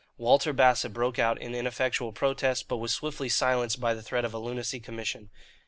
Walter Bassett broke out in ineffectual protest, but was swiftly silenced by the threat of a lunacy commission.